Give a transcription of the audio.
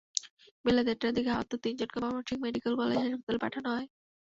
বেলা দেড়টার দিকে আহত তিনজনকে ময়মনসিংহ মেডিকেল কলেজ হাসপাতালে পাঠানো হয়।